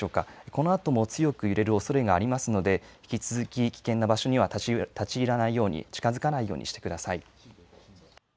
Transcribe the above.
このあとも強く揺れるおそれがありますので、引き続き危険な場所には立ち入らないように、近づかないようにしてください。